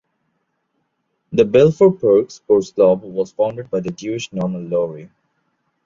The Balfour Park Sports club was founded by the Jewish Norman Lourie.